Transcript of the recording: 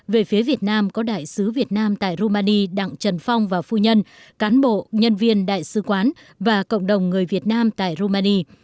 về phía việt nam có đại sứ việt nam tại rumani đặng trần phong và phu nhân cán bộ nhân viên đại sứ quán và cộng đồng người việt nam tại rumani